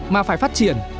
mà phải phát triển